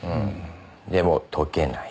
でも解けない。